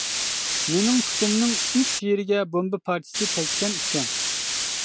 مېنىڭ پۇتۇمنىڭ ئۈچ يېرىگە بومبا پارچىسى تەگكەن ئىكەن.